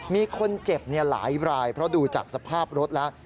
มีคนเจ็บหลายรายเพราะดูจากสภาพรถแล้ว